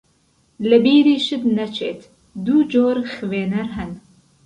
لە بیریشت نەچێت دوو جۆر خوێنەر هەن